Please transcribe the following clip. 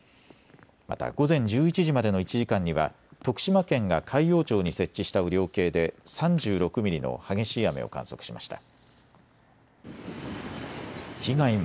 また午前１１時までの１時間には徳島県が海陽町に設置した雨量計で３６ミリの激しい雨を観測しました。